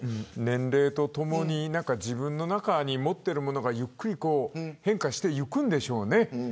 年齢とともに自分の中に持っているものがゆっくり変化していくんでしょうね。